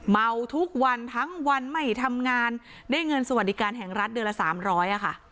เมาทุกวันทั้งวันไม่ทำงานได้เงินสวัสดิการแห่งรัฐเดือนละ๓๐๐ค่ะ